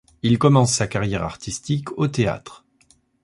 Il commence sa carrière artistique au théâtre.